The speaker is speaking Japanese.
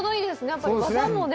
やっぱり技もね